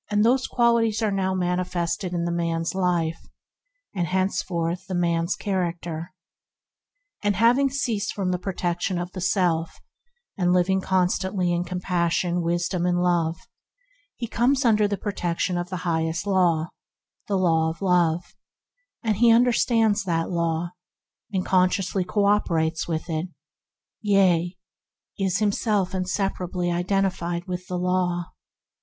Those qualities are now manifested in the man's life, are henceforth the mans character. Having ceased from the protection of self, and living constantly in compassion, wisdom, and love, he comes under the protection of the highest Law, the Law of Love; he understands that Law, and consciously co operates with it; yea, is himself inseparately identified with the Law.